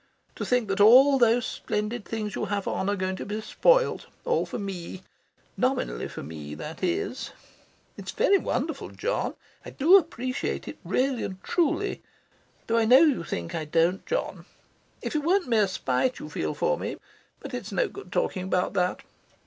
To think that all those splendid things you have on are going to be spoilt all for me. Nominally for me, that is. It is very wonderful, John. I do appreciate it, really and truly, though I know you think I don't. John, if it weren't mere spite you feel for me but it's no good talking about that.